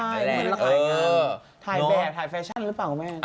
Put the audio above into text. มันมีอยู่ไปเอ้อถ่ายแบบถ่ายฟาชั่นหรือเปล่าคุณแม่